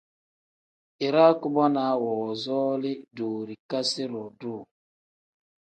Iraa kubonaa woozooli doorikasi-ro duuu.